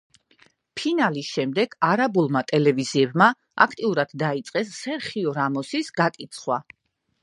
ფინალის შემდეგ არაბულმა ტელევიზიებმა აქტიურად დაიწყეს სერხიო რამოსის გაკიცხვა.